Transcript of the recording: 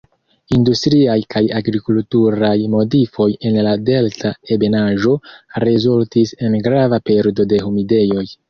Industriaj kaj agrikulturaj modifoj en la delta ebenaĵo rezultis en grava perdo de humidejoj.